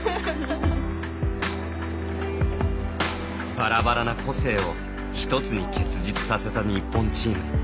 バラバラな個性を一つに結実させた日本チーム。